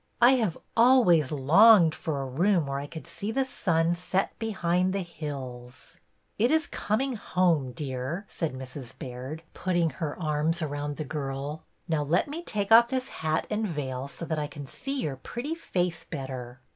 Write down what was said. I have always longed for a room where I could see the sun set behind the hills." '' It is coming home, dear," said Mrs. Baird, putting her arms around the girl. Now let me take off this hat and veil so that I can see your pretty face better."